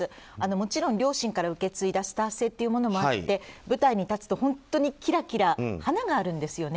もちろん、両親から受け継いだスター性というものもあって舞台に立つと本当キラキラと華があるんですよね。